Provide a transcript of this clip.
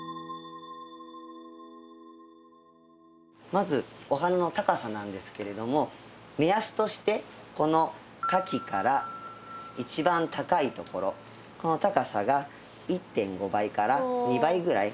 まずお花の高さなんですけれども目安としてこの花器から一番高いところこの高さが１．５倍から２倍ぐらい。